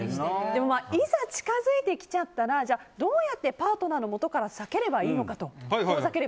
いざ近づいてきちゃったらどうやってパートナーのもとから遠ざければいいのか。